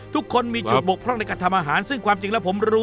ทุกคนมีจุดบกพร่องในการทำอาหารซึ่งความจริงแล้วผมรู้